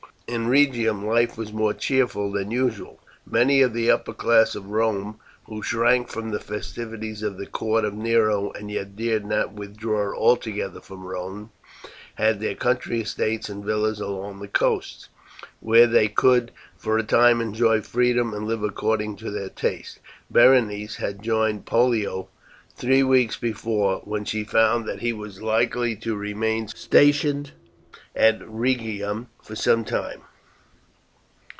In Rhegium life was more cheerful than usual. Many of the upper class of Rome, who shrank from the festivities of the court of Nero and yet dared not withdraw altogether from Rome, had their country estates and villas along the coasts, where they could for a time enjoy freedom and live according to their tastes. Berenice had joined Pollio three weeks before, when she found that he was likely to remain stationed at Rhegium for some time.